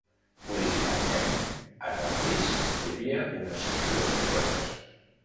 Originalment, en el fris hi havia unes figures completes.